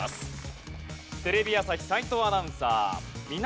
テレビ朝日斎藤アナウンサー。